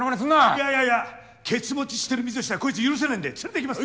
いやいやいやケツ持ちしてる身としてはこいつ許せねぇんで連れていきます。